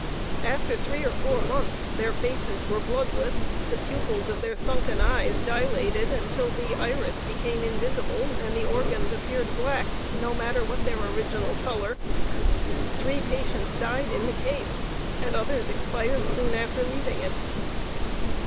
After three or four months their faces were bloodless; the pupils of their sunken eyes dilated until the iris became invisible and the organs appeared black, no matter what their original color. Three patients died in the cave; the others expired soon after leaving it.